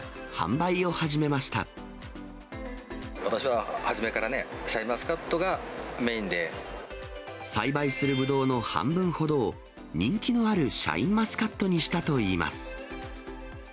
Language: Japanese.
私は初めからね、栽培するブドウの半分ほどを、人気のあるシャインマスカットにしたといいます。